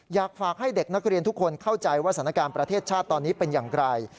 อยากฝากให้เด็กนักเรียนทุกคนเข้าใจว่าสถานการณ์ประเทศชาติตอนนี้เป็นอย่างไร